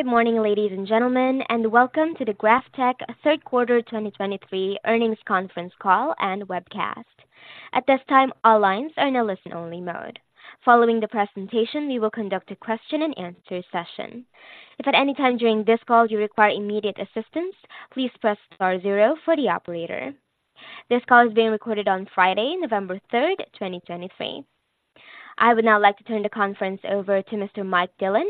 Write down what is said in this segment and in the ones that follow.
Good morning, ladies and gentlemen, and welcome to the GrafTech Third Quarter 2023 Earnings Conference Call and Webcast. At this time, all lines are in a listen-only mode. Following the presentation, we will conduct a question-and-answer session. If at any time during this call you require immediate assistance, please press star zero for the operator. This call is being recorded on Friday, November 3, 2023. I would now like to turn the conference over to Mr. Mike Dillon,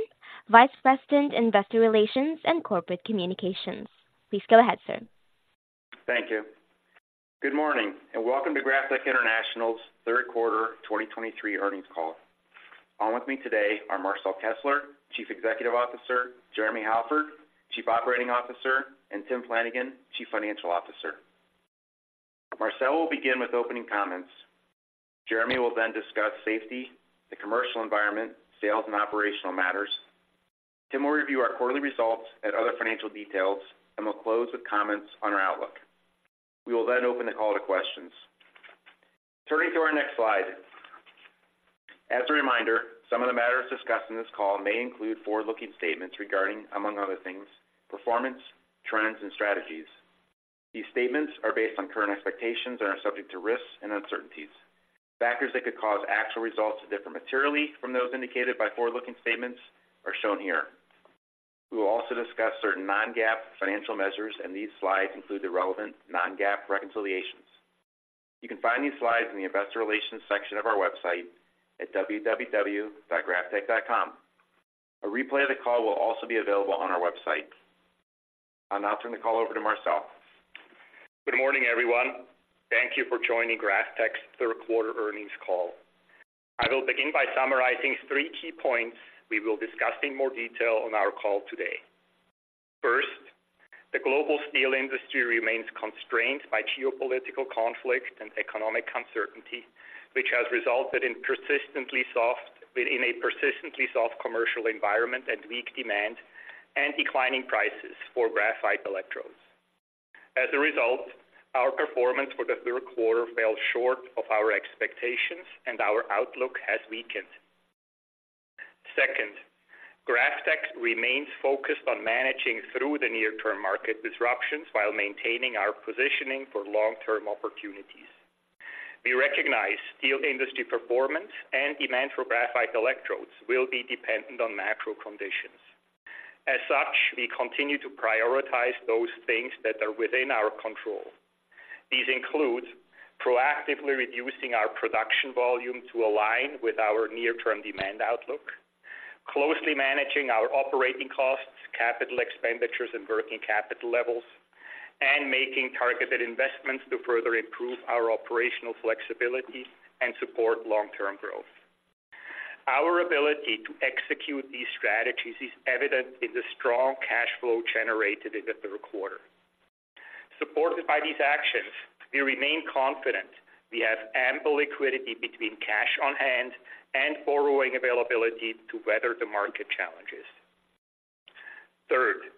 Vice President, Investor Relations and Corporate Communications. Please go ahead, sir. Thank you. Good morning, and welcome to GrafTech International's third quarter 2023 earnings call. On with me today are Marcel Kessler, Chief Executive Officer, Jeremy Halford, Chief Operating Officer, and Tim Flanagan, Chief Financial Officer. Marcel will begin with opening comments. Jeremy will then discuss safety, the commercial environment, sales, and operational matters. Tim will review our quarterly results and other financial details, and we'll close with comments on our outlook. We will then open the call to questions. Turning to our next slide. As a reminder, some of the matters discussed in this call may include forward-looking statements regarding, among other things, performance, trends, and strategies. These statements are based on current expectations and are subject to risks and uncertainties. Factors that could cause actual results to differ materially from those indicated by forward-looking statements are shown here. We will also discuss certain non-GAAP financial measures, and these slides include the relevant non-GAAP reconciliations. You can find these slides in the Investor Relations section of our website at www.graftech.com. A replay of the call will also be available on our website. I'll now turn the call over to Marcel. Good morning, everyone. Thank you for joining GrafTech's third quarter earnings call. I will begin by summarizing three key points we will discuss in more detail on our call today. First, the global steel industry remains constrained by geopolitical conflict and economic uncertainty, which has resulted in a persistently soft commercial environment and weak demand and declining prices for graphite electrodes. As a result, our performance for the third quarter fell short of our expectations, and our outlook has weakened. Second, GrafTech remains focused on managing through the near-term market disruptions while maintaining our positioning for long-term opportunities. We recognize steel industry performance and demand for graphite electrodes will be dependent on macro conditions. As such, we continue to prioritize those things that are within our control. These include proactively reducing our production volume to align with our near-term demand outlook, closely managing our operating costs, capital expenditures, and working capital levels, and making targeted investments to further improve our operational flexibility and support long-term growth. Our ability to execute these strategies is evident in the strong cash flow generated in the third quarter. Supported by these actions, we remain confident we have ample liquidity between cash on hand and borrowing availability to weather the market challenges. Third,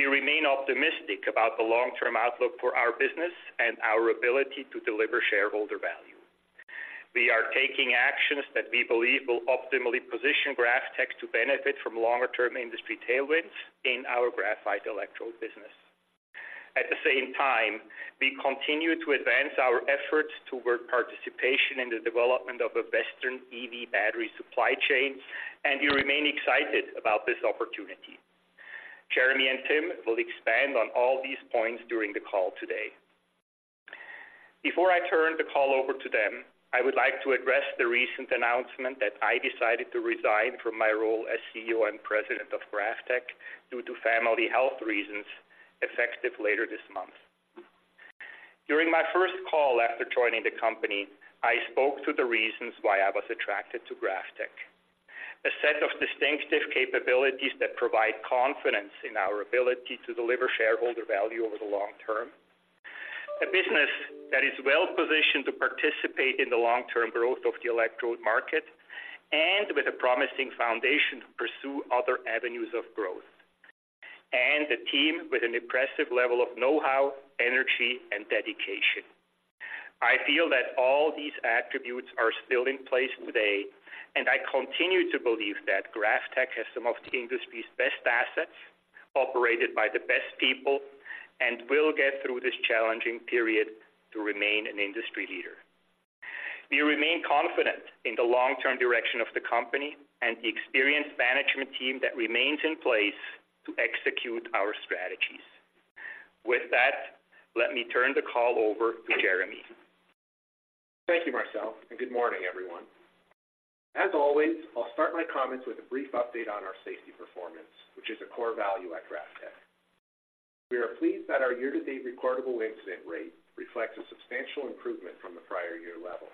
we remain optimistic about the long-term outlook for our business and our ability to deliver shareholder value. We are taking actions that we believe will optimally position GrafTech to benefit from longer-term industry tailwinds in our graphite electrode business. At the same time, we continue to advance our efforts toward participation in the development of a Western EV battery supply chain, and we remain excited about this opportunity. Jeremy and Tim will expand on all these points during the call today. Before I turn the call over to them, I would like to address the recent announcement that I decided to resign from my role as CEO and President of GrafTech due to family health reasons, effective later this month. During my first call after joining the company, I spoke to the reasons why I was attracted to GrafTech, a set of distinctive capabilities that provide confidence in our ability to deliver shareholder value over the long term, a business that is well-positioned to participate in the long-term growth of the electrode market and with a promising foundation to pursue other avenues of growth, and a team with an impressive level of know-how, energy, and dedication. I feel that all these attributes are still in place today, and I continue to believe that GrafTech has some of the industry's best assets, operated by the best people, and will get through this challenging period to remain an industry leader. We remain confident in the long-term direction of the company and the experienced management team that remains in place to execute our strategies. With that, let me turn the call over to Jeremy. Thank you, Marcel, and good morning, everyone. As always, I'll start my comments with a brief update on our safety performance, which is a core value at GrafTech. We are pleased that our year-to-date recordable incident rate reflects a substantial improvement from the prior year level.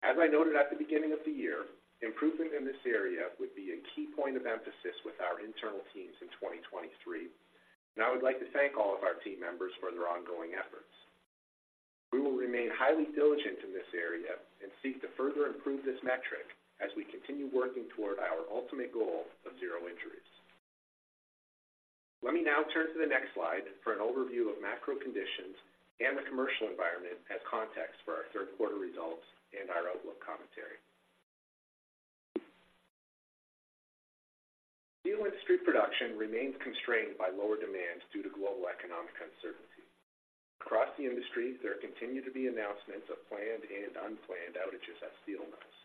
As I noted at the beginning of the year, improvement in this area would be a key point of emphasis with our internal teams in 2023, and I would like to thank all of our team members for their ongoing efforts. We will remain highly diligent in this area and seek to further improve this metric as we continue working toward our ultimate goal of zero injuries.... Let me now turn to the next slide for an overview of macro conditions and the commercial environment as context for our third quarter results and our outlook commentary. Steel industry production remains constrained by lower demand due to global economic uncertainty. Across the industry, there continue to be announcements of planned and unplanned outages at steel mills.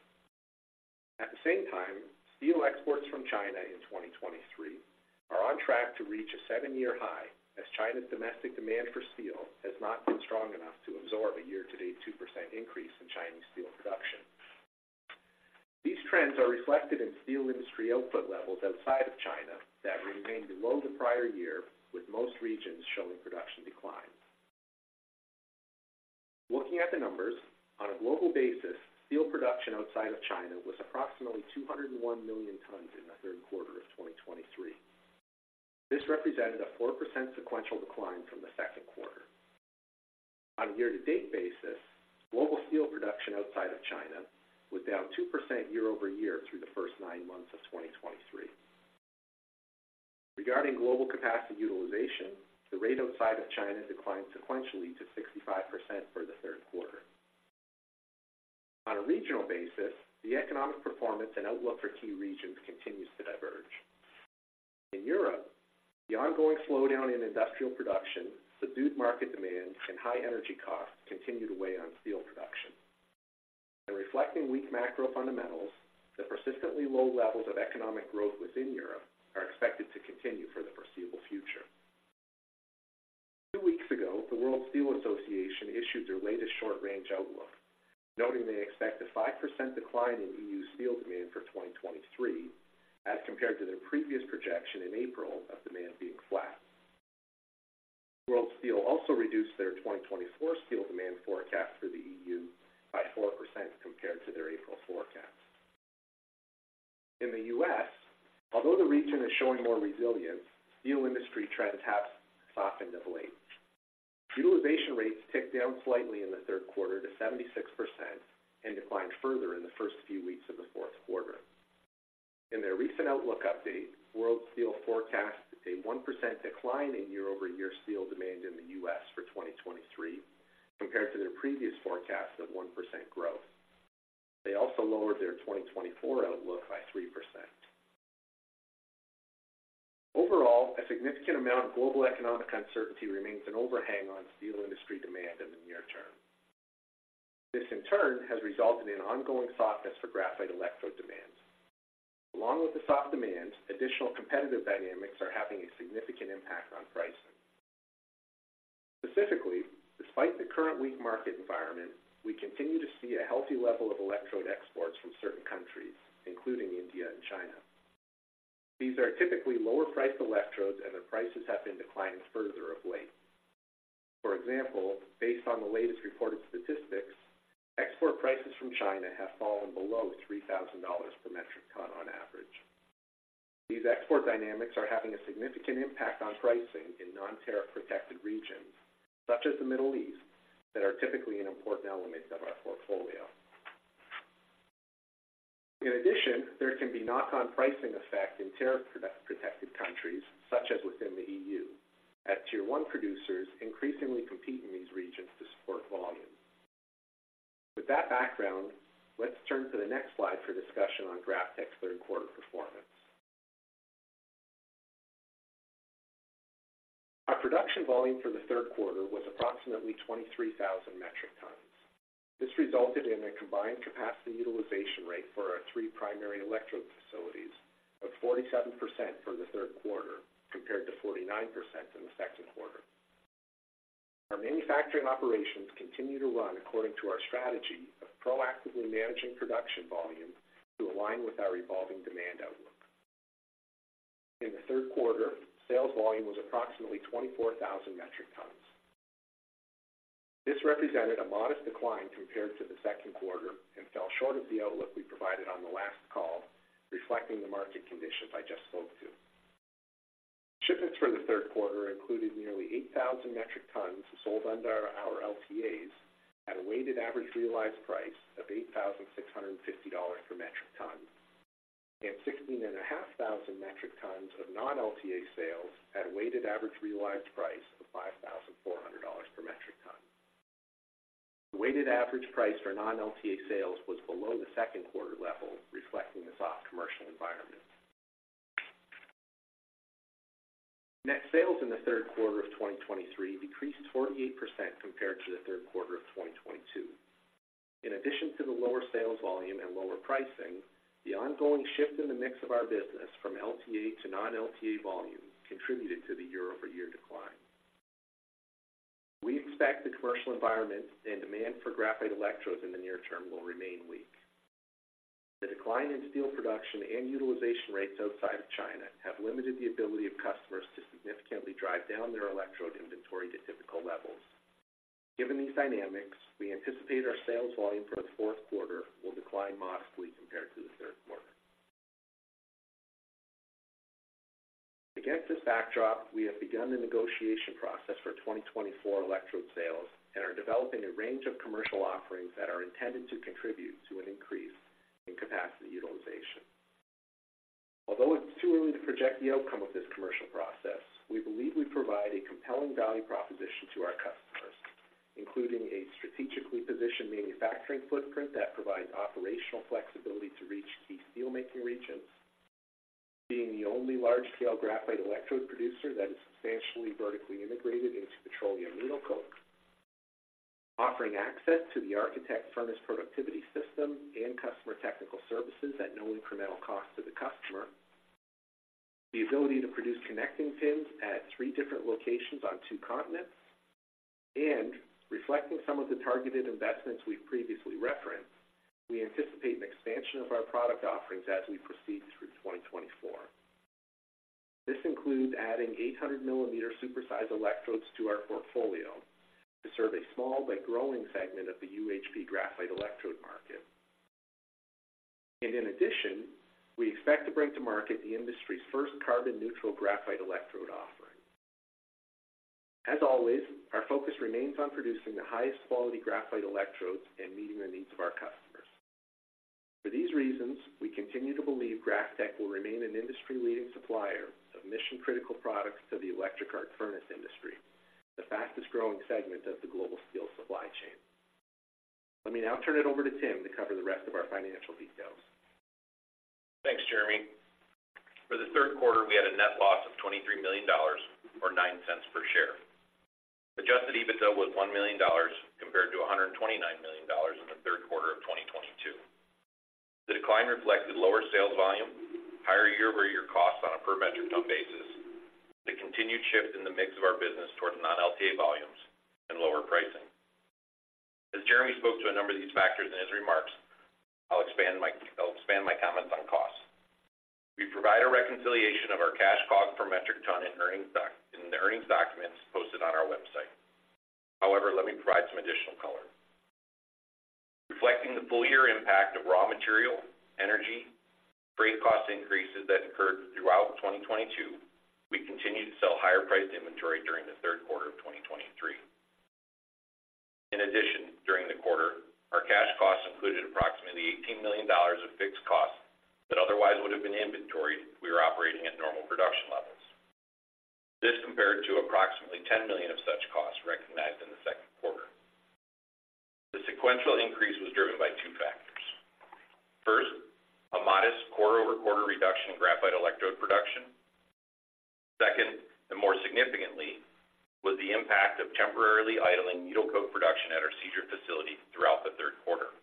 At the same time, steel exports from China in 2023 are on track to reach a seven-year high, as China's domestic demand for steel has not been strong enough to absorb a year-to-date 2% increase in Chinese steel production. These trends are reflected in steel industry output levels outside of China that remain below the prior year, with most regions showing production declines. Looking at the numbers, on a global basis, steel production outside of China was approximately 201 million tons in the third quarter of 2023. This represented a 4% sequential decline from the second quarter. On a year-to-date basis, global steel production outside of China was down 2% year-over-year through the first nine months of 2023. Regarding global capacity utilization, the rate outside of China declined sequentially to 65% for the third quarter. On a regional basis, the economic performance and outlook for key regions continues to diverge. In Europe, the ongoing slowdown in industrial production, subdued market demand, and high energy costs continue to weigh on steel production. Reflecting weak macro fundamentals, the persistently low levels of economic growth within Europe are expected to continue for the foreseeable future. Two weeks ago, the World Steel Association issued their latest short-range outlook, noting they expect a 5% decline in EU steel demand for 2023, as compared to their previous projection in April of demand being flat. World Steel also reduced their 2024 steel demand forecast for the EU by 4% compared to their April forecast. In the US, although the region is showing more resilience, steel industry trends have softened of late. Utilization rates ticked down slightly in the third quarter to 76% and declined further in the first few weeks of the fourth quarter. In their recent outlook update, World Steel forecast a 1% decline in year-over-year steel demand in the US for 2023, compared to their previous forecast of 1% growth. They also lowered their 2024 outlook by 3%. Overall, a significant amount of global economic uncertainty remains an overhang on steel industry demand in the near term. This, in turn, has resulted in ongoing softness for graphite electrode demand. Along with the soft demand, additional competitive dynamics are having a significant impact on pricing. Specifically, despite the current weak market environment, we continue to see a healthy level of electrode exports from certain countries, including India and China. These are typically lower-priced electrodes, and their prices have been declining further of late. For example, based on the latest reported statistics, export prices from China have fallen below $3,000 per metric ton on average. These export dynamics are having a significant impact on pricing in non-tariff protected regions, such as the Middle East, that are typically an important element of our portfolio. In addition, there can be knock-on pricing effect in tariff-protected countries, such as within the EU, as Tier One producers increasingly compete in these regions to support volume. With that background, let's turn to the next slide for discussion on GrafTech's third quarter performance. Our production volume for the third quarter was approximately 23,000 metric tons. This resulted in a combined capacity utilization rate for our three primary electrode facilities of 47% for the third quarter, compared to 49% in the second quarter. Our manufacturing operations continue to run according to our strategy of proactively managing production volume to align with our evolving demand outlook. In the third quarter, sales volume was approximately 24,000 metric tons. This represented a modest decline compared to the second quarter and fell short of the outlook we provided on the last call, reflecting the market conditions I just spoke to. Shipments for the third quarter included nearly 8,000 metric tons sold under our LTAs at a weighted average realized price of $8,650 per metric ton, and 16,500 metric tons of non-LTA sales at a weighted average realized price of $5,400 per metric ton. The weighted average price for non-LTA sales was below the second quarter level, reflecting the soft commercial environment. Net sales in the third quarter of 2023 decreased 48% compared to the third quarter of 2022. In addition to the lower sales volume and lower pricing, the ongoing shift in the mix of our business from LTA to non-LTA volume contributed to the year-over-year decline. We expect the commercial environment and demand for graphite electrodes in the near term will remain weak. The decline in steel production and utilization rates outside of China have limited the ability of customers to significantly drive down their electrode inventory to typical levels. Given these dynamics, we anticipate our sales volume for the fourth quarter will decline modestly compared to the third quarter. Against this backdrop, we begun the negotiation process for 2024 electrode sales and are developing a range of commercial offerings that are intended to contribute to an increase in capacity utilization. Although it's too early to project the outcome of this commercial process, we believe we provide a compelling value proposition to our customers, including a strategically positioned manufacturing footprint that provides operational flexibility to reach key steelmaking regions, being the only large-scale graphite electrode producer that is substantially vertically integrated into petroleum needle coke, offering access to the ArchiTech furnace productivity system and customer technical services at no incremental cost to the customer, the ability to produce connecting pins at three different locations on two continents, and reflecting some of the targeted investments we've previously referenced, we anticipate an expansion of our product offerings as we proceed through 2024. This includes adding 800-millimeter super-size electrodes to our portfolio to serve a small but growing segment of the UHP graphite electrode market. In addition, we expect to bring to market the industry's first carbon neutral graphite electrode offering. As always, our focus remains on producing the highest quality graphite electrodes and meeting the needs of our customers. For these reasons, we continue to believe GrafTech will remain an industry-leading supplier of mission-critical products to the electric arc furnace industry, the fastest-growing segment of the global steel supply chain. Let me now turn it over to Tim to cover the rest of our financial details. Thanks, Jeremy. For the third quarter, we had a net loss of $23 million, or 9 cents per share. Adjusted EBITDA was $1 million compared to $129 million in the third quarter of 2022. The decline reflected lower sales volume, higher year-over-year costs on a per metric ton basis, the continued shift in the mix of our business towards non-LTA volumes and lower pricing. As Jeremy spoke to a number of these factors in his remarks, I'll expand my, I'll expand my comments on costs. We provide a reconciliation of our cash COGS per metric ton in the earnings documents posted on our website. However, let me provide some additional color. Reflecting the full year impact of raw material, energy, freight cost increases that occurred throughout 2022, we continued to sell higher-priced inventory during the third quarter of 2023. In addition, during the quarter, our cash costs included approximately $18 million of fixed costs that otherwise would have been inventoried if we were operating at normal production levels. This compared to approximately $10 million of such costs recognized in the second quarter. The sequential increase was driven by two factors. First, a modest quarter-over-quarter reduction in graphite electrode production. Second, and more significantly, was the impact of temporarily idling needle coke production at our Seadrift facility throughout the third quarter.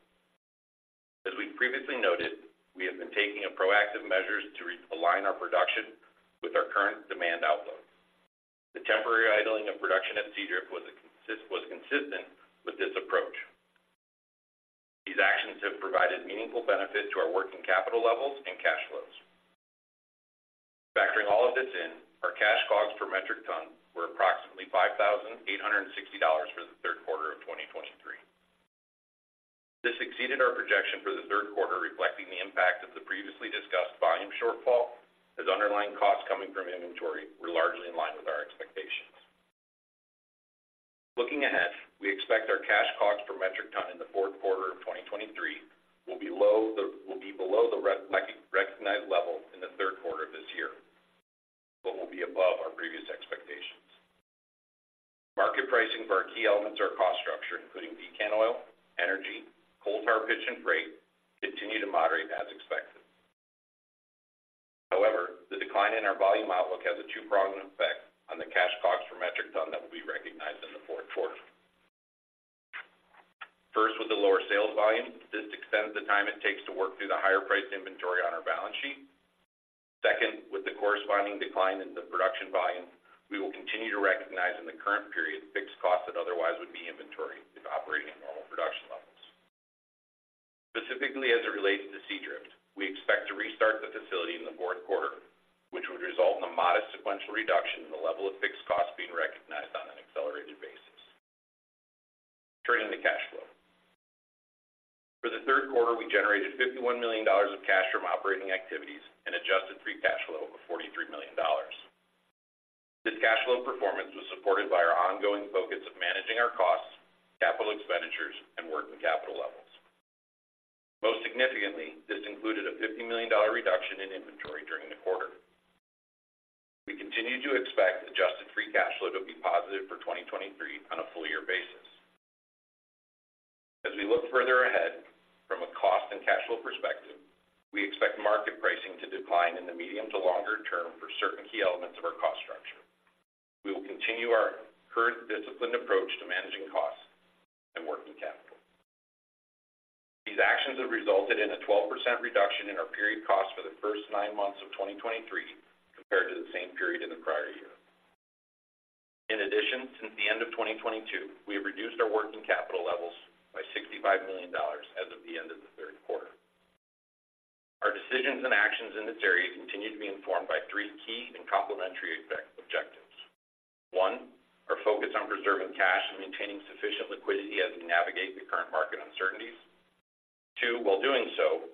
As we previously noted, we have been taking a proactive measures to align our production with our current demand outlook. The temporary idling of production at Seadrift was consistent with this approach. These actions have provided meaningful benefit to our working capital levels and cash flows. Factoring all of this in, our cash COGS per metric ton were approximately $5,860 for the third quarter of 2023. This exceeded our projection for the third quarter, reflecting the impact of the previously discussed volume shortfall, as underlying costs coming from inventory were largely in line with our expectations. Looking ahead, we expect our cash costs per metric ton in the fourth quarter of 2023 will be below the recognized level in the third quarter of this year, but will be above our previous expectations. Market pricing for our key elements of our cost structure, including decant oil, energy, coal, tar, pitch, and freight, continue to moderate as expected. However, the decline in our volume outlook has a two-pronged effect on the cash costs per metric ton that will be recognized in the fourth quarter. First, with the lower sales volume, this extends the time it takes to work through the higher-priced inventory on our balance sheet. Second, with the corresponding decline in the production volume, we will continue to recognize in the current period fixed costs that otherwise would be inventory if operating at normal production levels. Specifically, as it relates to Seadrift, we expect to restart the facility in the fourth quarter, which would result in a modest sequential reduction in the level of fixed costs being recognized on an accelerated basis. Turning to cash flow. For the third quarter, we generated $51 million of cash from operating activities and adjusted free cash flow of $43 million. This cash flow performance was supported by our ongoing focus of managing our costs, capital expenditures, and working capital levels. Most significantly, this included a $50 million reduction in inventory during the quarter. We continue to expect Adjusted Free Cash Flow to be positive for 2023 on a full-year basis. As we look further ahead from a cost and cash flow perspective, we expect market pricing to decline in the medium to longer term for certain key elements of our cost structure. We will continue our current disciplined approach to managing costs and working capital. These actions have resulted in a 12% reduction in our period costs for the first nine months of 2023 compared to the same period in the prior year. In addition, since the end of 2022, we have reduced our working capital levels by $65 million as of the end of the third quarter. Our decisions and actions in this area continue to be informed by three key and complementary objectives. One, preserving cash and maintaining sufficient liquidity as we navigate the current market uncertainties. Two, while doing so,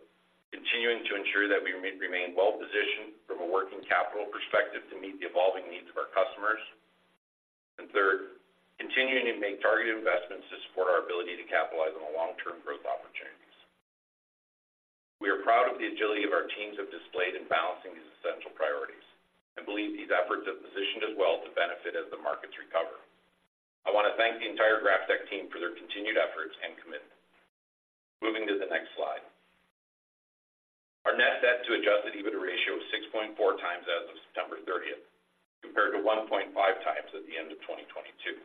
continuing to ensure that we remain well-positioned from a working capital perspective to meet the evolving needs of our customers. And third, continuing to make targeted investments to support our ability to capitalize on the long-term growth opportunities. We are proud of the agility of our teams have displayed in balancing these essential priorities and believe these efforts have positioned us well to benefit as the markets recover. I want to thank the entire GrafTech team for their continued efforts and commitment. Moving to the next slide. Our net debt to Adjusted EBITDA ratio is 6.4 times as of September 30th, compared to 1.5 times at the end of 2022,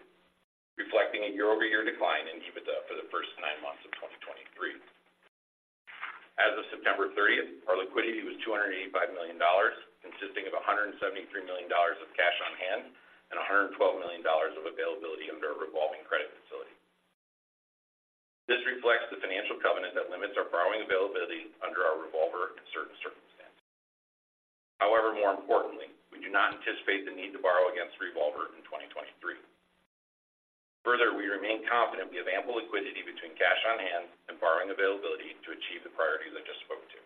reflecting a year-over-year decline in EBITDA for the first nine months of 2023. As of September 30th, our liquidity was $285 million, consisting of $173 million of cash on hand and $112 million of availability under a revolving credit facility. This reflects the financial covenant that limits our borrowing availability under our revolver in certain circumstances. However, more importantly, we do not anticipate the need to borrow against the revolver in 2023. Further, we remain confident we have ample liquidity between cash on hand and borrowing availability to achieve the priorities I just spoke to.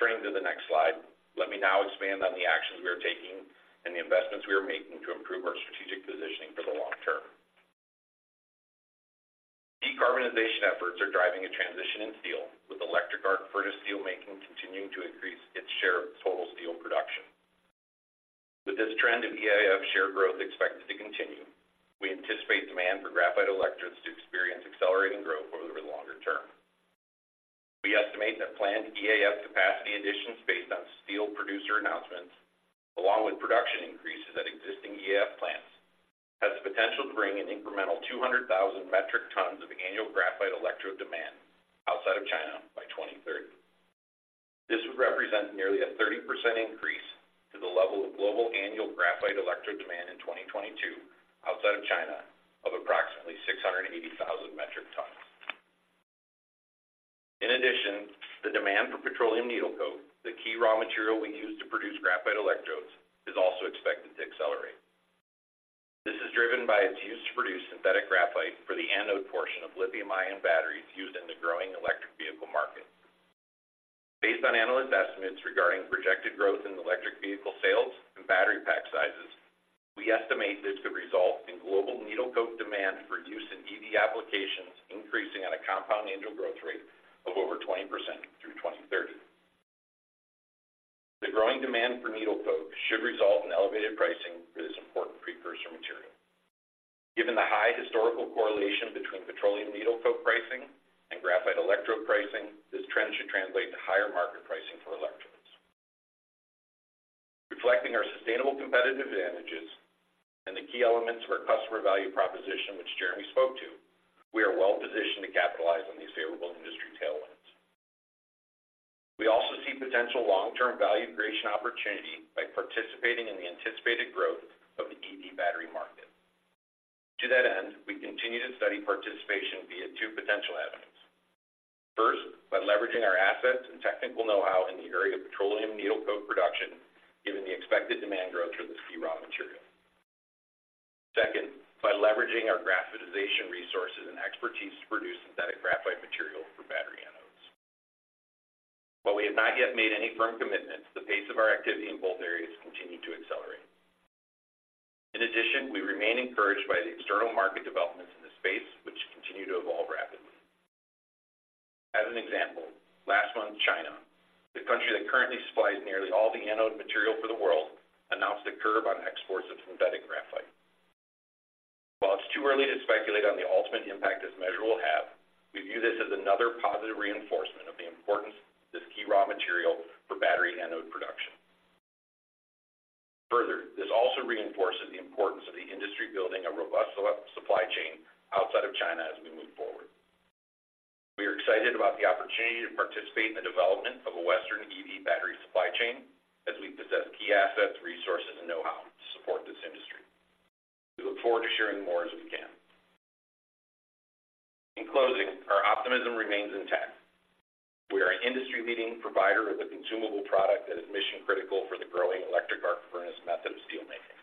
Turning to the next slide, let me now expand on the actions we are taking and the investments we are making to improve our strategic positioning for the long term. Decarbonization efforts are driving a transition in steel, with electric arc furnace steelmaking continuing to increase its share of total steel production. With this trend of EAF share growth expected to continue, we anticipate demand for graphite electrodes to experience accelerating growth over the longer term. We estimate that planned EAF capacity additions based on steel producer announcements, along with production increases at existing EAF plants, has the potential to bring an incremental 200,000 metric tons of annual graphite electrode demand outside of China by 2030. This would represent nearly a 30% increase to the level of global annual graphite electrode demand in 2022 outside of China of approximately 680,000 metric tons. In addition, the demand for petroleum needle coke, the key raw material we use to produce graphite electrodes, is also expected to accelerate. This is driven by its use to produce synthetic graphite for the anode portion of lithium-ion batteries used in the growing electric vehicle market. Based on analyst estimates regarding projected growth in electric vehicle sales and battery pack sizes, we estimate this could result in global needle coke demand for use in EV applications increasing at a compound annual growth rate of over 20% through 2030. The growing demand for needle coke should result in elevated pricing for this important precursor material. Given the high historical correlation between petroleum needle coke pricing and graphite electrode pricing, this trend should translate to higher market pricing for electrodes. Reflecting our sustainable competitive advantages and the key elements of our customer value proposition, which Jeremy spoke to, we are well positioned to capitalize on these favorable industry tailwinds. We also see potential long-term value creation opportunity by participating in the anticipated growth of the EV battery market. To that end, we continue to study participation via two potential avenues. First, by leveraging our assets and technical know-how in the area of petroleum needle coke production, given the expected demand growth for this key raw material. Second, by leveraging our graphitization resources and expertise to produce synthetic graphite material for battery anodes. While we have not yet made any firm commitments, the pace of our activity in both areas continue to accelerate. In addition, we remain encouraged by the external market developments in this space, which continue to evolve rapidly. As an example, last month, China, the country that currently supplies nearly all the anode material for the world, announced a curb on exports of synthetic graphite. While it's too early to speculate on the ultimate impact this measure will have, we view this as another positive reinforcement of the importance of this key raw material for battery anode production. Further, this also reinforces the importance of the industry building a robust supply chain outside of China as we move forward. We are excited about the opportunity to participate in the development of a Western EV battery supply chain as we possess key assets, resources, and know-how to support this industry. We look forward to sharing more as we can. In closing, our optimism remains intact. We are an industry-leading provider of a consumable product that is mission-critical for the growing electric arc furnace method of steelmaking.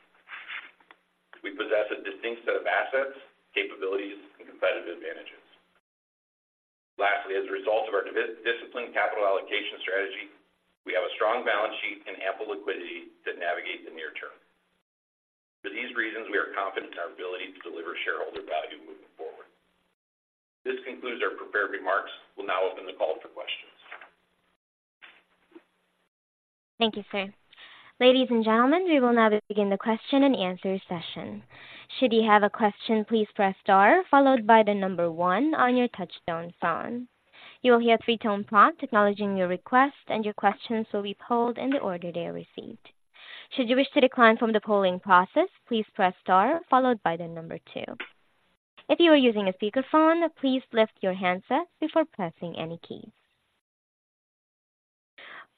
We possess a distinct set of assets, capabilities, and competitive advantages. Lastly, as a result of our disciplined capital allocation strategy, we have a strong balance sheet and ample liquidity to navigate the near term. For these reasons, we are confident in our ability to deliver shareholder value moving forward. This concludes our prepared remarks. We'll now open the call for questions. Thank you, sir. Ladies and gentlemen, we will now begin the question and answer session. Should you have a question, please press star followed by the number 1 on your touchtone phone. You will hear a 3-tone prompt acknowledging your request, and your questions will be polled in the order they are received. Should you wish to decline from the polling process, please press star followed by the number 2. If you are using a speakerphone, please lift your handset before pressing any keys.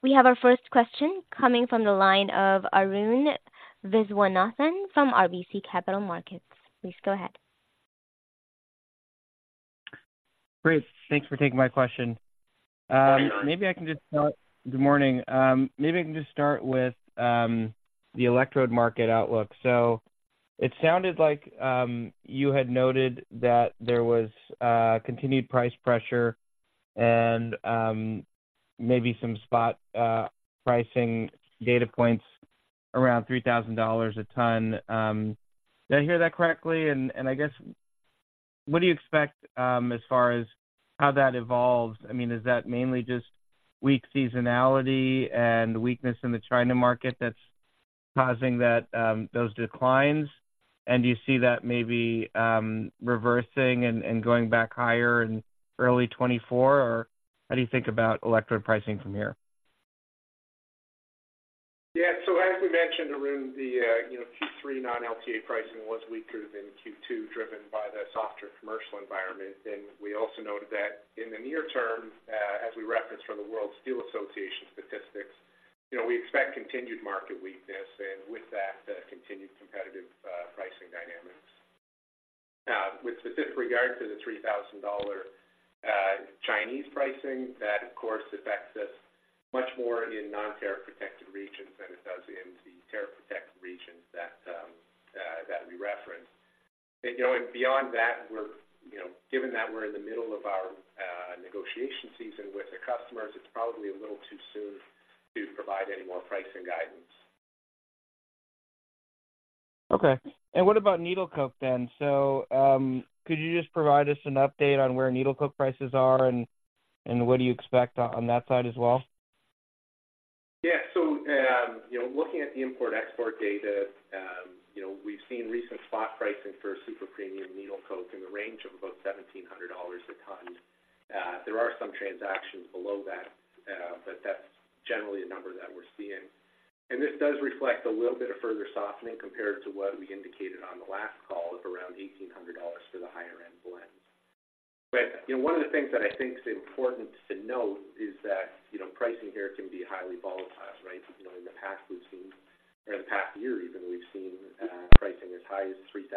We have our first question coming from the line of Arun Viswanathan from RBC Capital Markets. Please go ahead.... Great. Thanks for taking my question. Maybe I can just start. Good morning. Maybe I can just start with the electrode market outlook. So it sounded like you had noted that there was continued price pressure and maybe some spot pricing data points around $3,000 a ton. Did I hear that correctly? And I guess, what do you expect as far as how that evolves? I mean, is that mainly just weak seasonality and weakness in the China market that's causing those declines? And do you see that maybe reversing and going back higher in early 2024? Or how do you think about electrode pricing from here? Yeah. So as we mentioned, Arun, the, you know, Q3 non-LTA pricing was weaker than Q2, driven by the softer commercial environment. And we also noted that in the near term, as we referenced from the World Steel Association statistics, you know, we expect continued market weakness, and with that, continued competitive pricing dynamics. With specific regard to the $3,000 Chinese pricing, that, of course, affects us much more in non-tariff protected regions than it does in the tariff protected regions that we referenced. And, you know, and beyond that, we're, you know, given that we're in the middle of our negotiation season with the customers, it's probably a little too soon to provide any more pricing guidance. Okay. And what about needle coke then? So, could you just provide us an update on where needle coke prices are, and, and what do you expect on that side as well? Yeah. So, you know, looking at the import-export data, you know, we've seen recent spot pricing for super premium needle coke in the range of about $1,700 a ton. There are some transactions below that, but that's generally a number that we're seeing. And this does reflect a little bit of further softening compared to what we indicated on the last call, of around $1,800 for the higher-end blends. But, you know, one of the things that I think is important to note is that, you know, pricing here can be highly volatile, right? You know, in the past, we've seen... or in the past year even, we've seen, pricing as high as $3,000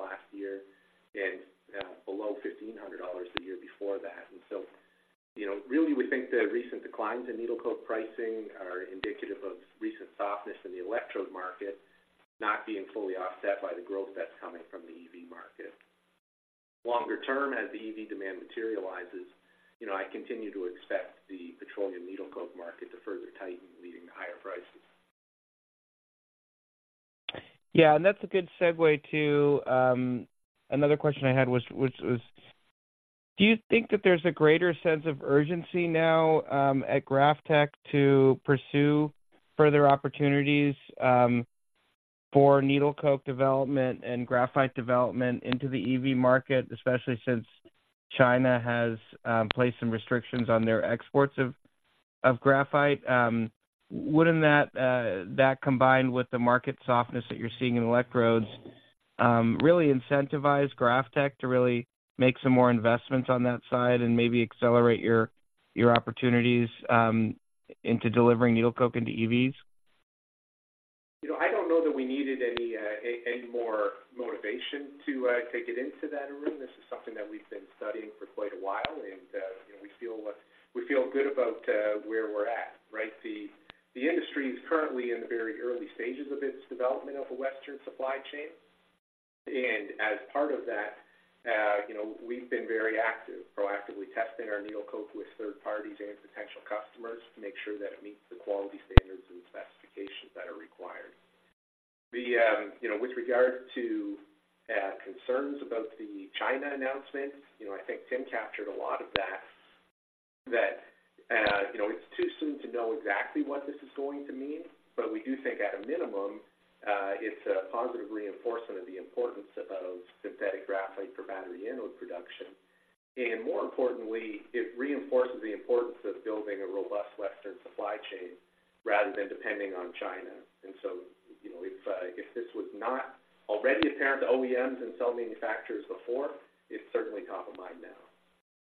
last year and, below $1,500 the year before that. And so, you know, really, we think the recent declines in needle coke pricing are indicative of recent softness in the electrode market, not being fully offset by the growth that's coming from the EV market. Longer term, as the EV demand materializes, you know, I continue to expect the petroleum needle coke market to further tighten, leading to higher prices. Yeah, and that's a good segue to another question I had, which, which was: Do you think that there's a greater sense of urgency now at GrafTech to pursue further opportunities for needle coke development and graphite development into the EV market, especially since China has placed some restrictions on their exports of graphite? Wouldn't that, that, combined with the market softness that you're seeing in electrodes, really incentivize GrafTech to really make some more investments on that side and maybe accelerate your opportunities into delivering needle coke into EVs? You know, I don't know that we needed any, any more motivation to, to get into that, Arun. This is something that we've been studying for quite a while, and, you know, we feel good about where we're at, right? The industry is currently in the very early stages of its development of a Western supply chain. And as part of that, you know, we've been very active, proactively testing our needle coke with third parties and potential customers to make sure that it meets the quality standards and specifications that are required. The, you know, with regard to, concerns about the China announcement, you know, I think Tim captured a lot of that, that, you know, it's too soon to know exactly what this is going to mean, but we do think, at a minimum, it's a positive reinforcement of the importance of synthetic graphite for battery anode production. And more importantly, it reinforces the importance of building a robust Western supply chain rather than depending on China. And so, you know, if, if this was not already apparent to OEMs and cell manufacturers before, it's certainly top of mind now.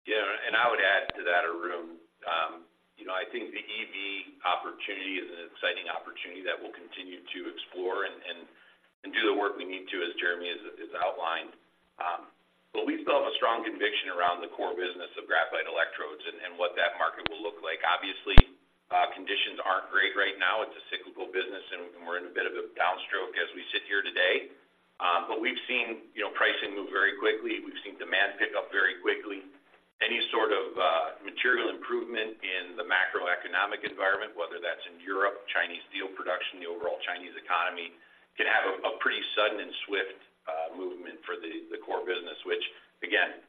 Yeah, and I would add to that, Arun, you know, I think the EV opportunity is an exciting opportunity that we'll continue to explore and do the work we need to, as Jeremy has outlined. But we still have a strong conviction around the core business of graphite electrodes and what that market will look like. Obviously, conditions aren't great right now. It's a cyclical business, and we're in a bit of a downstroke as we sit here today. But we've seen, you know, pricing move very quickly. We've seen demand pick up very quickly. Any sort of material improvement in the macroeconomic environment, whether that's in Europe, Chinese steel production, the overall Chinese economy, can have a pretty sudden and swift movement for the core business, which, again,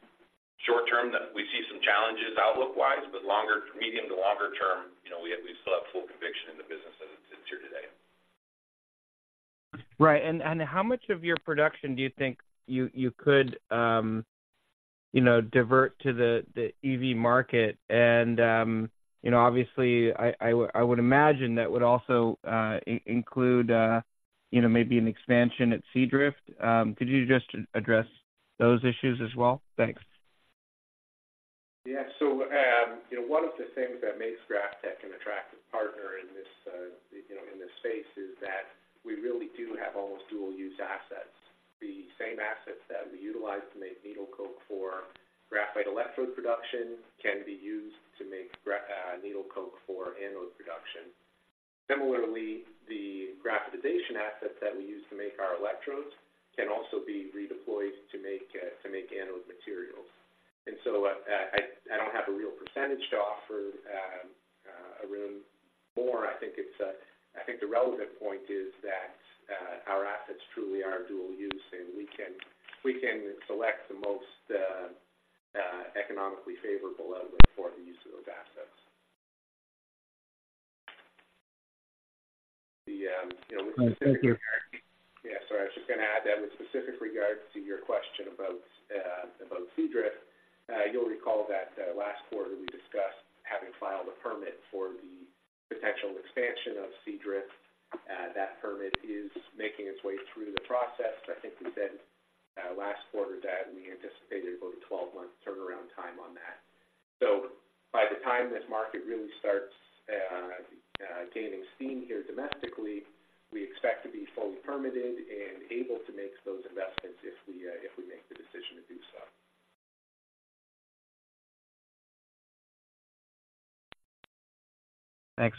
short term, we see some challenges outlook-wise, but longer, medium to longer term, you know, we still have full conviction in the business as it sits here today. Right. And how much of your production do you think you could, you know, divert to the EV market? And, you know, obviously, I would imagine that would also include, you know, maybe an expansion at Seadrift. Could you just address those issues as well? Thanks.... Yeah. So, you know, one of the things that makes GrafTech an attractive partner in this, you know, in this space, is that we really do have almost dual use assets. The same assets that we utilize to make needle coke for graphite electrode production can be used to make needle coke for anode production. Similarly, the graphitization assets that we use to make our electrodes can also be redeployed to make anode materials. And so, I, I don't have a real percentage to offer, Arun. More, I think it's, I think the relevant point is that, our assets truly are dual use, and we can, we can select the most, economically favorable outlet for the use of those assets. The, you know- Thank you. Yeah, sorry, I was just gonna add that with specific regards to your question about Seadrift. You'll recall that last quarter, we discussed having filed a permit for the potential expansion of Seadrift. That permit is making its way through the process. I think we said last quarter that we anticipated about a 12-month turnaround time on that. So by the time this market really starts gaining steam here domestically, we expect to be fully permitted and able to make those investments if we make the decision to do so. Thanks.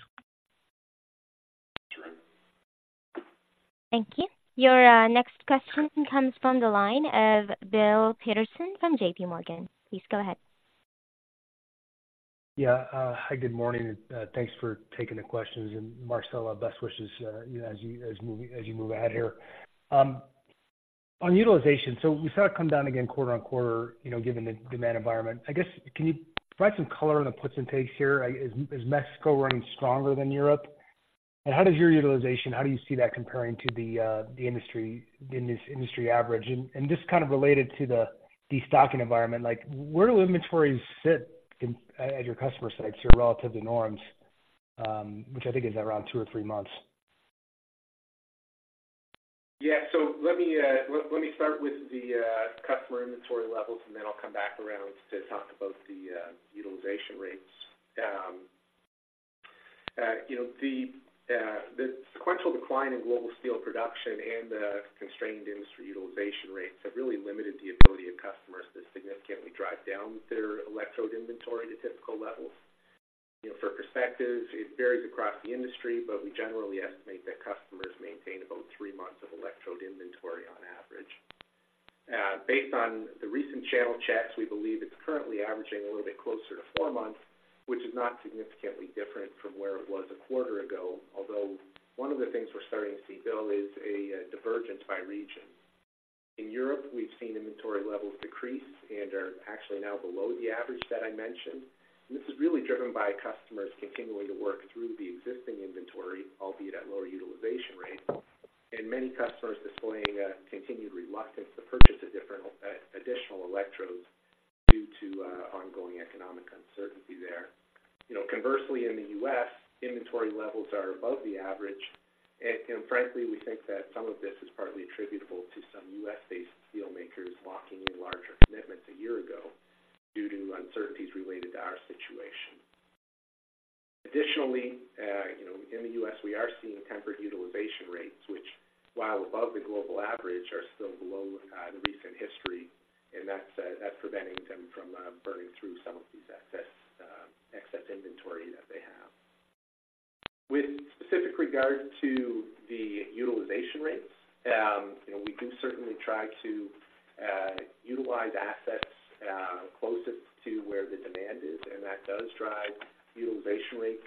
Thank you. Your next question comes from the line of Bill Peterson from JPMorgan. Please go ahead. Yeah, hi, good morning. Thanks for taking the questions. And Marcel, best wishes, you know, as you move ahead here. On utilization, so we saw it come down again quarter on quarter, you know, given the demand environment. I guess, can you provide some color on the puts and takes here? Is Mexico running stronger than Europe? And how does your utilization, how do you see that comparing to the industry in this industry average? And just kind of related to the destocking environment, like, where do inventories sit at your customer sites here relative to norms? Which I think is around two or three months. Yeah. So let me start with the customer inventory levels, and then I'll come back around to talk about the utilization rates. You know, the sequential decline in global steel production and the constrained industry utilization rates have really limited the ability of customers to significantly drive down their electrode inventory to typical levels. You know, for perspective, it varies across the industry, but we generally estimate that customers maintain about three months of electrode inventory on average. Based on the recent channel checks, we believe it's currently averaging a little bit closer to four months, which is not significantly different from where it was a quarter ago. Although, one of the things we're starting to see, Bill, is a divergence by region. In Europe, we've seen inventory levels decrease and are actually now below the average that I mentioned. This is really driven by customers continuing to work through the existing inventory, albeit at lower utilization rates, and many customers displaying a continued reluctance to purchase a different, additional electrodes due to ongoing economic uncertainty there. You know, conversely, in the US, inventory levels are above the average. And frankly, we think that some of this is partly attributable to some US-based steelmakers locking in larger commitments a year ago due to uncertainties related to our situation. Additionally, you know, in the US, we are seeing tempered utilization rates, which, while above the global average, are still below the recent history, and that's preventing them from burning through some of these excess inventory that they have. With specific regard to the utilization rates, you know, we do certainly try to utilize assets closest to where the demand is, and that does drive utilization rates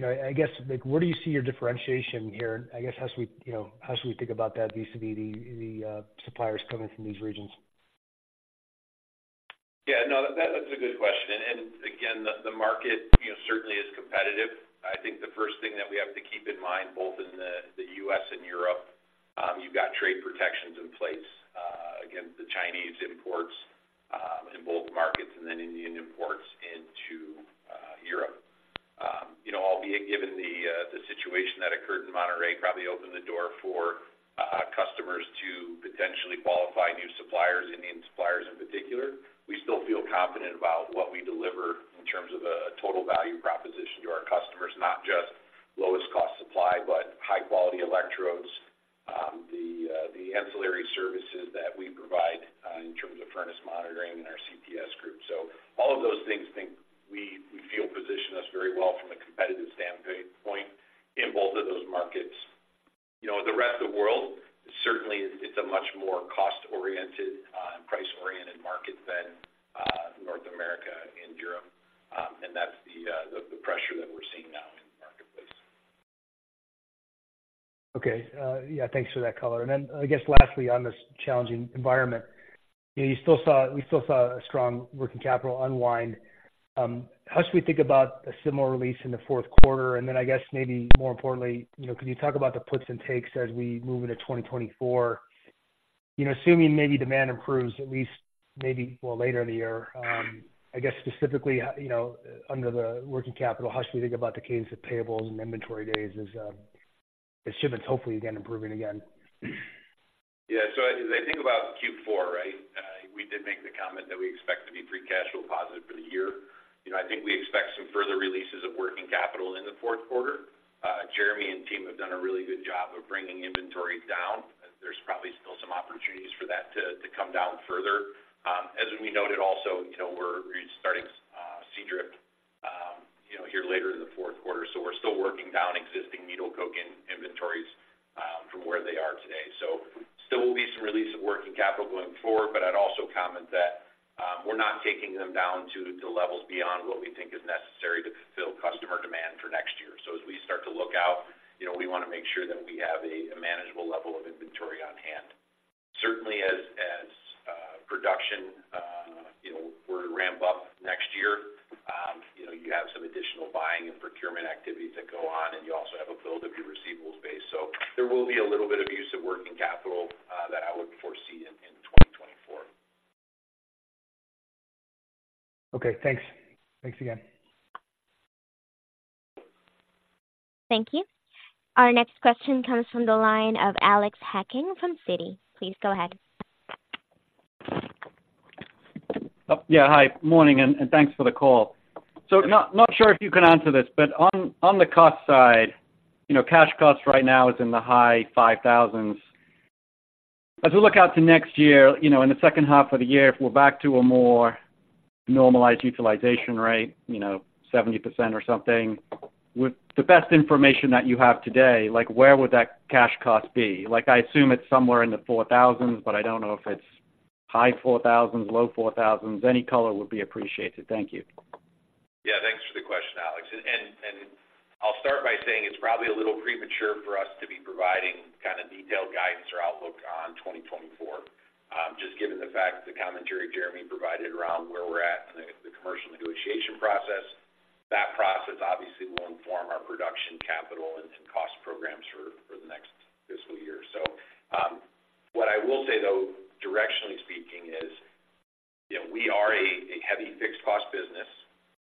I guess, like, where do you see your differentiation here? I guess, how should we, you know, how should we think about that vis-à-vis the suppliers coming from these regions? Yeah, no, that's a good question, and again, the market, you know, certainly is competitive. I think the first thing that we have to keep in mind, both in the U.S. and Europe, you've got trade protections in place, against the Chinese imports, in both markets and then Indian imports into Europe. shipments, hopefully, again, improving again? Yeah. So as I think about Q4, right, we did make the comment that we expect to be free cash flow positive for the year. You know, I think we expect some further releases of working capital in the fourth quarter. Jeremy and team have done a really good job of bringing inventory down. There's probably still some opportunities for that to come down further. As we noted also, until we're restarting Seadrift, you know, here later in the fourth quarter, so we're still working down existing needle coke in inventories from where they are today. So still will be some release of working capital going forward, but I'd also comment that we're not taking them down to levels beyond what we think is necessary to fulfill customer demand for next year. So as we start to look out, you know, we want to make sure that we have a manageable level of inventory on hand. Certainly, as production, you know, were to ramp up next year, you know, you have some additional buying and procurement activities that go on, and you also have a build of your receivables base. So there will be a little bit of use of working capital, that I would foresee in 2024. Okay, thanks. Thanks again. Thank you. Our next question comes from the line of Alex Hacking from Citi. Please go ahead. Yeah, hi. Morning, and thanks for the call. So not sure if you can answer this, but on the cost side, you know, cash cost right now is in the high $5,000s. As we look out to next year, you know, in the second half of the year, if we're back to a more normalized utilization rate, you know, 70% or something, with the best information that you have today, like, where would that cash cost be? Like, I assume it's somewhere in the $4,000s, but I don't know if it's high $4,000s, low $4,000s. Any color would be appreciated. Thank you. Yeah, thanks for the question, Alex. And, I'll start by saying it's probably a little premature for us to be providing kind of detailed guidance or outlook on 2024, just given the fact the commentary Jeremy provided around where we're at in the, the commercial negotiation process. That process obviously will inform our production capital and, and cost programs for, for the next fiscal year. So, what I will say, though, directionally speaking, is, you know, we are a, a heavy fixed cost business.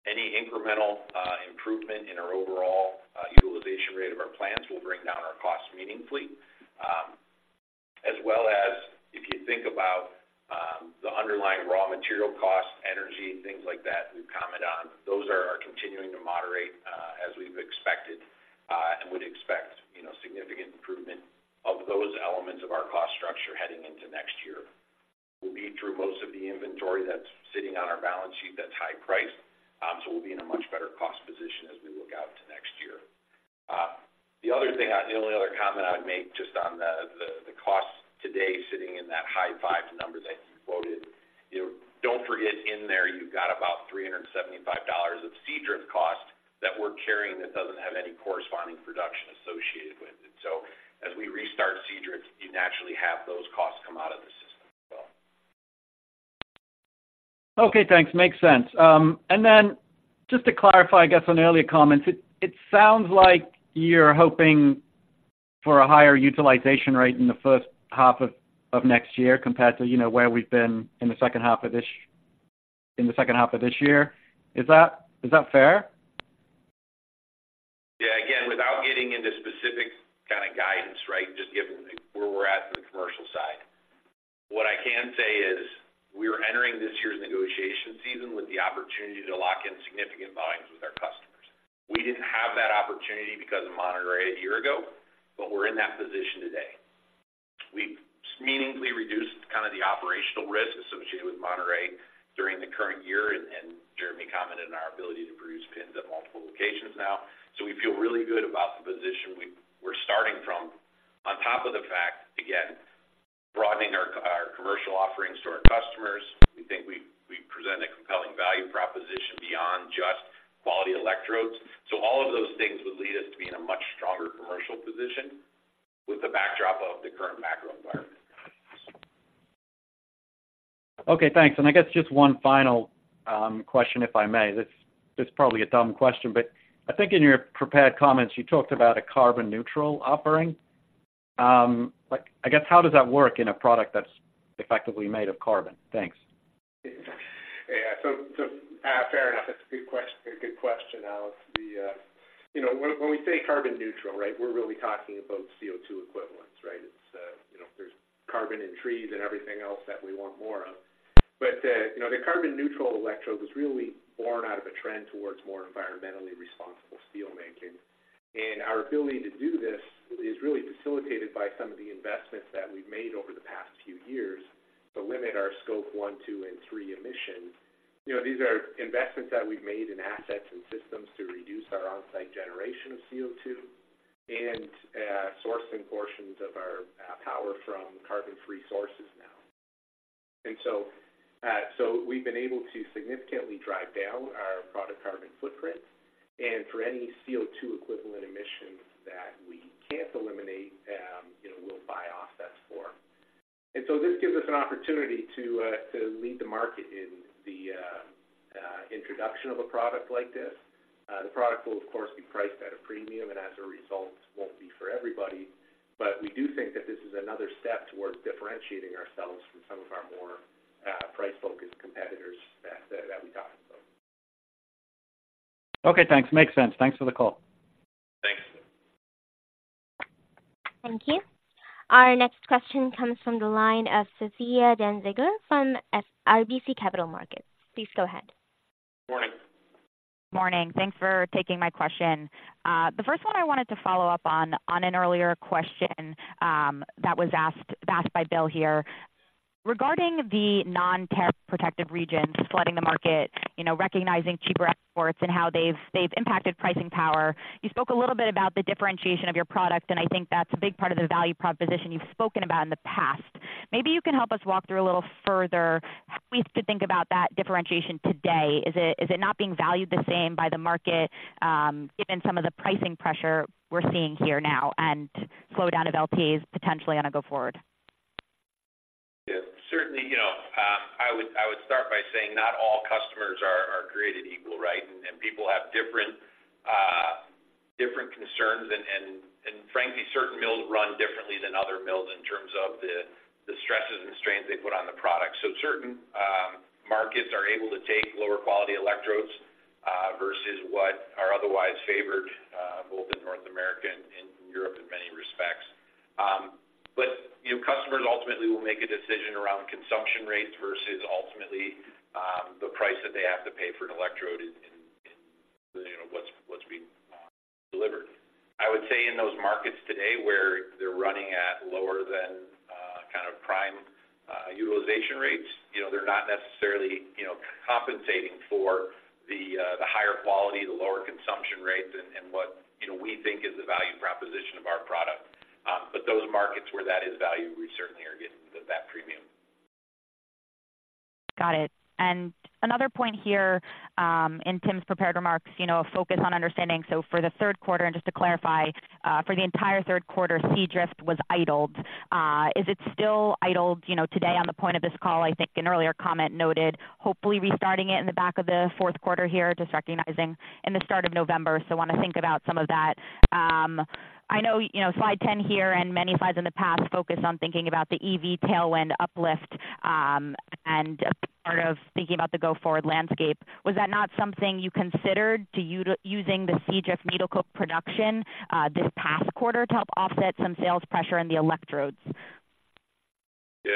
Any incremental improvement in our overall utilization rate of our plants will bring down our costs meaningfully. As well as if you think about the underlying raw material costs, energy, things like that, we've commented on, those are continuing to moderate, as we've expected, and would expect, you know, significant improvement of those elements of our cost structure heading into next year. We'll be through most of the inventory that's sitting on our balance sheet that's high priced, so we'll be in a much better cost position as we look out to next year. The other thing the only other comment I'd make just on the costs today sitting in that high five numbers I quoted, you know, don't forget in there, you've got about $375 of Seadrift cost that we're carrying that doesn't have any corresponding production associated with it. So as we restart Seadrift, you naturally have those costs come out of the system as well. Okay, thanks. Makes sense. And then just to clarify, I guess, on the earlier comments, it sounds like you're hoping for a higher utilization rate in the first half of next year compared to, you know, where we've been in the second half of this year. Is that fair? Yeah. Again, without getting into specific kind of guidance, right, just given where we're at from the commercial side. What I can say is, we are entering this year's negotiation season with the opportunity to lock in significant volumes with our customers. We didn't have that opportunity because of Monterrey a year ago, but we're in that position today. We've meaningfully reduced kind of the operational risk associated with Monterrey during the current year, and Jeremy commented on our ability to produce pins at multiple locations now. So we feel really good about the position we're starting from. On top of the fact, again, broadening our commercial offerings to our customers, we think we present a compelling value proposition beyond just quality electrodes. All of those things would lead us to be in a much stronger commercial position with the backdrop of the current macro environment. Okay, thanks. I guess just one final question, if I may. This, this is probably a dumb question, but I think in your prepared comments, you talked about a carbon neutral offering. Like, I guess, how does that work in a product that's effectively made of carbon? Thanks. Yeah. So, fair enough. That's a good question, Alex. You know, when we say carbon neutral, right, we're really talking about CO2 equivalents, right?... carbon in trees and everything else that we want more of. But, you know, the carbon neutral electrode was really born out of a trend towards more environmentally responsible steel making. And our ability to do this is really facilitated by some of the investments that we've made over the past few years to limit our Scope One, Two, and Three emissions. You know, these are investments that we've made in assets and systems to reduce our on-site generation of CO₂ and sourcing portions of our power from carbon-free sources now. So we've been able to significantly drive down our product carbon footprint, and for any CO₂ equivalent emissions that we can't eliminate, you know, we'll buy offsets for. So this gives us an opportunity to lead the market in the introduction of a product like this. The product will, of course, be priced at a premium, and as a result, won't be for everybody. But we do think that this is another step towards differentiating ourselves from some of our more price-focused competitors that we got. Okay, thanks. Makes sense. Thanks for the call. Thanks. Thank you. Our next question comes from the line of Sophia Danziger from RBC Capital Markets. Please go ahead. Morning. Morning. Thanks for taking my question. The first one I wanted to follow up on, on an earlier question that was asked by Bill here. Regarding the non-tariff protective regions flooding the market, you know, recognizing cheaper exports and how they've impacted pricing power, you spoke a little bit about the differentiation of your product, and I think that's a big part of the value proposition you've spoken about in the past. Maybe you can help us walk through a little further how we should think about that differentiation today. Is it not being valued the same by the market, given some of the pricing pressure we're seeing here now and flow down of LPs potentially on a go-forward? Yeah, certainly, you know, I would, I would start by saying not all customers are, are created equal, right? And, and people have different, different concerns, and, and, and frankly, certain mills run differently than other mills in terms of the, the stresses and strains they put on the product. So certain, markets are able to take lower quality electrodes, versus what are otherwise favored, both in North America and in Europe, in many respects. But, you know, customers ultimately will make a decision around consumption rates versus ultimately, the price that they have to pay for an electrode in, in, in, you know, what's, what's being, delivered. I would say in those markets today, where they're running at lower than kind of prime utilization rates, you know, they're not necessarily, you know, compensating for the higher quality, the lower consumption rates and what, you know, we think is the value proposition of our product. But those markets where that is value, we certainly are getting that premium. Got it. Another point here, in Tim's prepared remarks, you know, a focus on understanding. So for the third quarter, and just to clarify, for the entire third quarter, Seadrift was idled. Is it still idled, you know, today on the point of this call? I think an earlier comment noted, hopefully restarting it in the back of the fourth quarter here, just recognizing in the start of November. So want to think about some of that. I know, you know, slide 10 here and many slides in the past focus on thinking about the EV tailwind uplift, and as part of thinking about the go-forward landscape. Was that not something you considered to do using the Seadrift needle coke production, this past quarter to help offset some sales pressure in the electrodes? Yeah.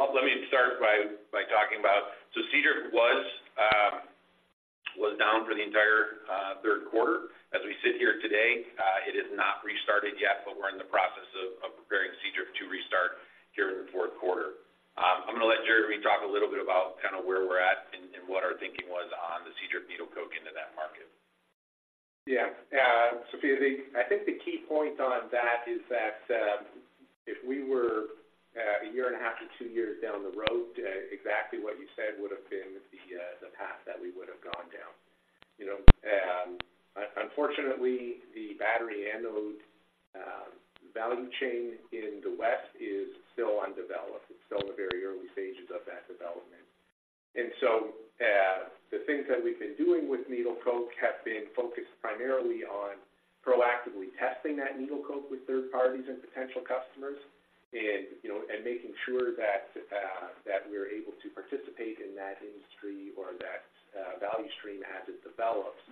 Let me start by talking about... So Seadrift was down for the entire third quarter. As we sit here today, it is not restarted yet, but we're in the process of preparing Seadrift to restart here in the fourth quarter. I'm going to let Jeremy talk a little bit about kind of where we're at and what our thinking was on the Seadrift needle coke into that market. Yeah, Sophia, I think the key point on that is that if we were a year and a half to two years down the road, exactly what you said would have been the path that we would have gone down. You know, unfortunately, the battery anode value chain in the West is still undeveloped. It's still in the very early stages of that development. And so, the things that we've been doing with needle coke have been focused primarily on proactively testing that needle coke with third parties and potential customers and, you know, and making sure that we're able to participate in that industry or that value stream as it develops.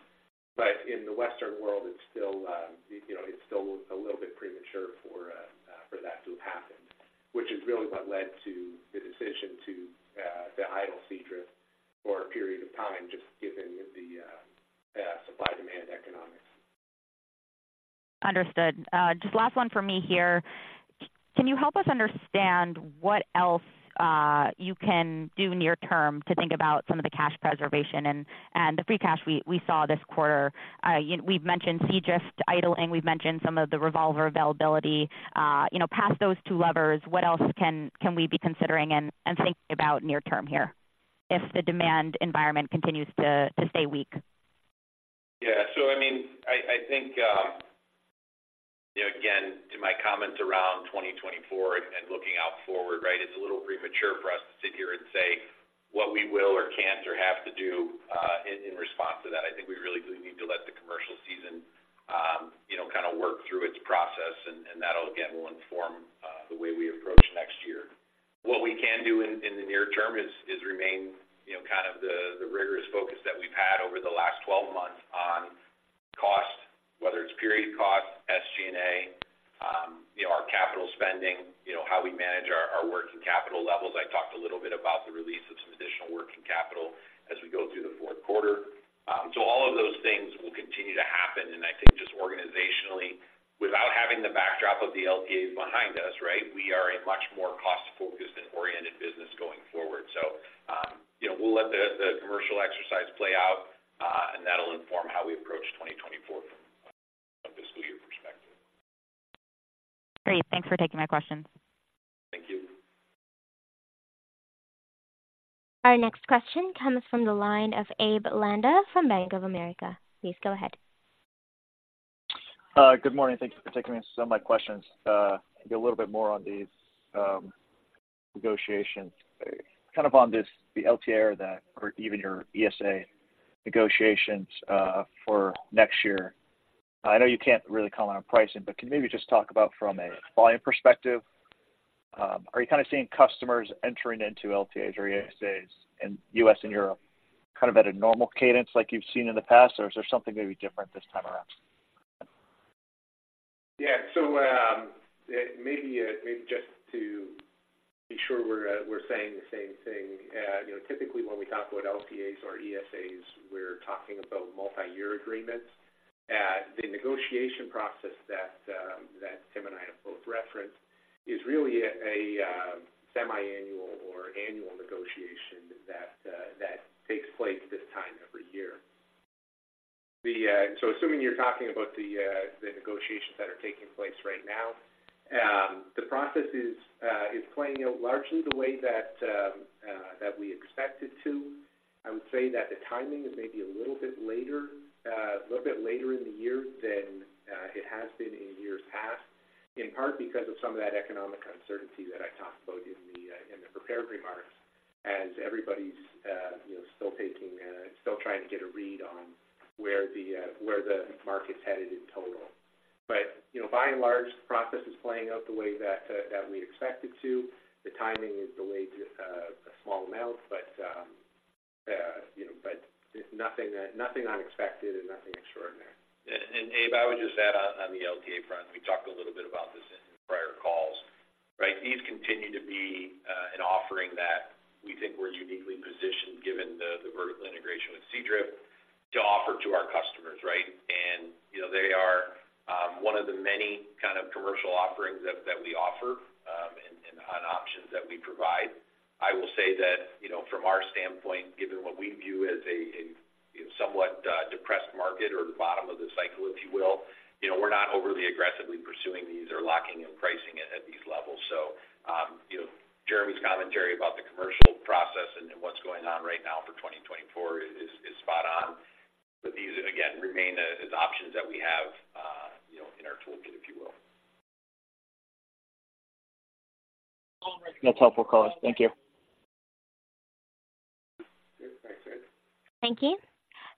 But in the Western world, it's still, you know, it's still a little bit premature for that to happen, which is really what led to the decision to idle Seadrift for a period of time, just given the supply-demand economics. Understood. Just last one for me here. Can you help us understand what else, you can do near term to think about some of the cash preservation and the free cash we saw this quarter? We've mentioned Seadrift idling, we've mentioned some of the revolver availability. You know, past those two levers, what else can we be considering and thinking about near term here if the demand environment continues to stay weak? Yeah. So I mean, I think, you know, again, to my comments around 2024 and looking out forward, right? It's a little premature for us to sit here and say what we will or can't or have to do in response to that. I think we really do need to let the commercial season, you know, kind of work through its process, and that, again, will inform the way we approach next year. What we can do in the near term is remain, you know, kind of the rigorous focus that we've had over the last 12 months on cost, whether it's period costs, SG&A, you know, our capital spending, you know, how we manage our working capital levels. I talked a little bit about the release of some additional working capital as we go through the fourth quarter. So all of those things will continue to happen. And I think just organizationally, without having the backdrop of the LTAs behind us, right, we are a much more cost-focused and oriented business going forward. So, you know, we'll let the commercial exercise play out, and that'll inform how we approach 2024 from a fiscal year perspective. Great. Thanks for taking my questions. Thank you. Our next question comes from the line of Abe Landa from Bank of America. Please go ahead. Good morning. Thank you for taking some of my questions. Maybe a little bit more on the negotiations. Kind of on this, the LTA or the, or even your ESA negotiations, for next year. I know you can't really comment on pricing, but can you maybe just talk about from a volume perspective, are you kind of seeing customers entering into LTAs or ESAs in U.S. and Europe, kind of at a normal cadence like you've seen in the past? Or is there something maybe different this time around? Yeah. So, maybe just to be sure we're saying the same thing. You know, typically, when we talk about LTAs or ESAs, we're talking about multi-year agreements. The negotiation process that Tim and I have both referenced is really a semiannual or annual negotiation that takes place this time every year. So assuming you're talking about the negotiations that are taking place right now, the process is playing out largely the way that we expect it to. I would say that the timing is maybe a little bit later, a little bit later in the year than it has been in years past, in part because of some of that economic uncertainty that I talked about in the prepared remarks, as everybody's, you know, still trying to get a read on where the, where the market's headed in total. But, you know, by and large, the process is playing out the way that, that we expect it to. The timing is delayed, a small amount, but, you know, but it's nothing, nothing unexpected and nothing extraordinary. Abe, I would just add on the LTA front, we talked a little bit about this in prior calls, right? These continue to be an offering that we think we're uniquely positioned, given the vertical integration with Seadrift, to offer to our customers, right? And, you know, they are one of the many kind of commercial offerings that we offer, and on options that we provide. I will say that, you know, from our standpoint, given what we view as a somewhat depressed market or bottom of the cycle, if you will, you know, we're not overly aggressively pursuing these or locking in pricing at these levels. So, you know, Jeremy's commentary about the commercial process and what's going on right now for 2024 is spot on. But these, again, remain as, as options that we have, you know, in our toolkit, if you will. That's helpful, color. Thank you. Thanks, Abe. Thank you.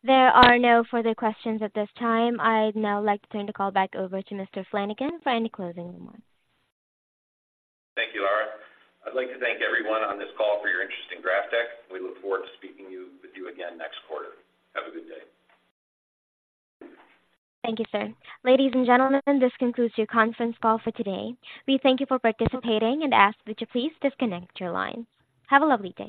There are no further questions at this time. I'd now like to turn the call back over to Mr. Flanagan for any closing remarks. Thank you, Laura. I'd like to thank everyone on this call for your interest in GrafTech. We look forward to speaking with you again next quarter. Have a good day. Thank you, sir. Ladies and gentlemen, this concludes your conference call for today. We thank you for participating and ask that you please disconnect your line. Have a lovely day.